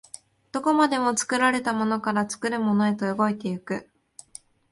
どこまでも作られたものから作るものへと動いて行く。